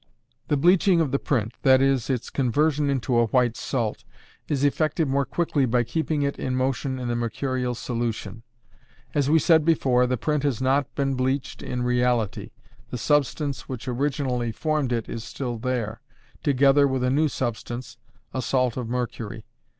The bleaching of the print that is, its conversion into a white salt is effected more quickly by keeping it in motion in the mercurial solution. As we said before, the print has not been bleached in reality the substance which originally formed it is still there, together with a new substance, a salt of mercury.